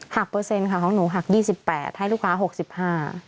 หักเปอร์เซ็นต์ค่ะของหนูหัก๒๘ให้ลูกค้า๖๕